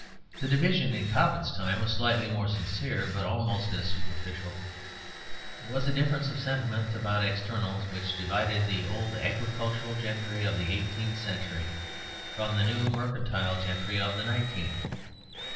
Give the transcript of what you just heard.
The division in Cobbett's time was slightly more sincere, but almost as superficial; it was a difference of sentiment about externals which divided the old agricultural gentry of the eighteenth century from the new mercantile gentry of the nineteenth.